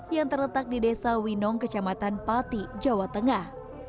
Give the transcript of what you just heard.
yang terletak di desa winong kecamatan pati jawa tengah